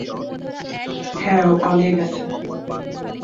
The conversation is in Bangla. হ্যাঁ, ও পালিয়ে গেছে।